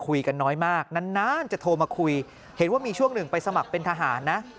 น้อยมากนานจะโทรมาคุยเห็นว่ามีช่วงหนึ่งไปสมัครเป็นทหารนะ